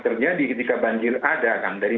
terjadi ketika banjir ada kan dari